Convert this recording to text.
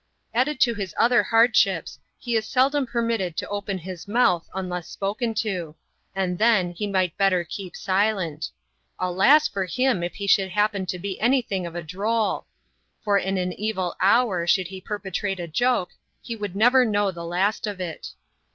Added to his other hardships, he is seldom permitted to open his mouth unless spoken to ; and then, he might better keep silent. Alas for him ! if he should happen to be any thing of a droll ; for in an evil hour should he perpetrate a joke, he would never know the last of it.